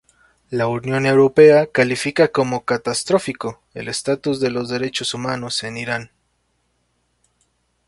La Unión Europea califica como catastrófico el estatus de los derechos humanos en Irán.